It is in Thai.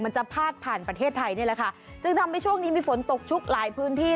จะพาดผ่านประเทศไทยนี่แหละค่ะจึงทำให้ช่วงนี้มีฝนตกชุกหลายพื้นที่